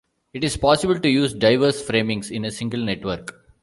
It is possible to use diverse framings in a single network.